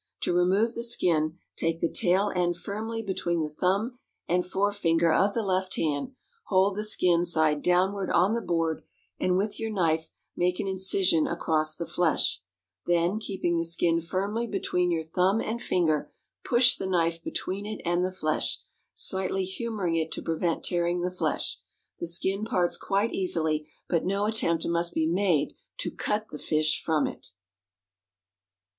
To remove the skin, take the tail end firmly between the thumb and forefinger of the left hand, hold the skin side downward on the board, and with your knife make an incision across the flesh, then, keeping the skin firmly between your thumb and finger, push the knife between it and the flesh, slightly humoring it to prevent tearing the flesh. The skin parts quite easily, but no attempt must be made to cut the fish from it.